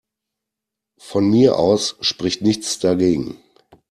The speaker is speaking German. Von mir aus spricht nichts dagegen.